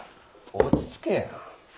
落ち着けよ。